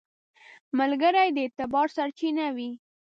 ملګری د اعتبار سرچینه وي